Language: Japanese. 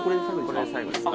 これで最後です。